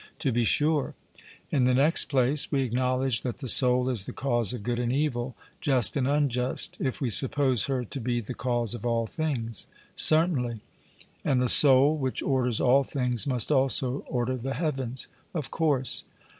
'To be sure.' In the next place, we acknowledge that the soul is the cause of good and evil, just and unjust, if we suppose her to be the cause of all things? 'Certainly.' And the soul which orders all things must also order the heavens? 'Of course.'